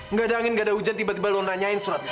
nggak ada angin nggak ada hujan tiba tiba lu nanyain surat itu